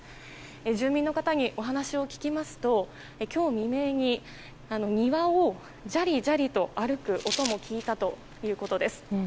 住民の方にお話を聞きますと今日未明に庭をジャリジャリと歩く音も聞いたということです。